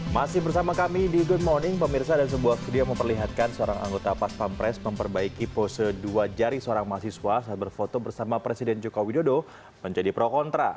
masih bersama kami di good morning pemirsa dan sebuah video memperlihatkan seorang anggota pas pampres memperbaiki pose dua jari seorang mahasiswa saat berfoto bersama presiden joko widodo menjadi pro kontra